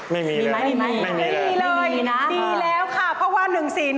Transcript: ไม่มีเลยนะครับไม่มีเลยดีแล้วค่ะเพราะว่า๑๔๑๘